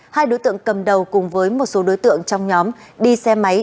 hai đối tượng cầm đầu cùng với một số đối tượng trong nhóm đi xe máy